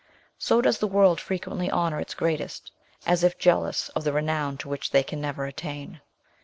So does the world frequently honour its greatest, as if jealous of the renown to which they can never attain."